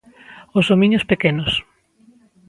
Os homiños pequenos.